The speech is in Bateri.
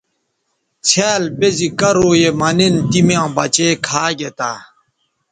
څھیال بے زی کرو یے مہ نِن تی میاں بچے کھا گے تھے